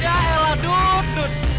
ya elah dut